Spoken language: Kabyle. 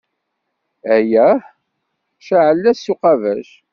Eyyah! Ceεl-as s uqabac.